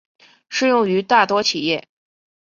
适用于大多企业。